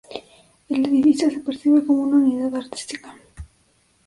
El edificio se percibe como una unidad artística.